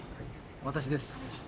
私です。